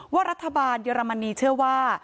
ว่ารัฐบาลเยอรมนีเชื่อว่า